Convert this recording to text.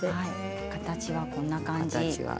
形はこんな感じ。